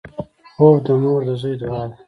خوب د مور د زوی دعا ده